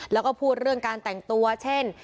แล้วก็พูดเรื่องการแต่งตัวเช่น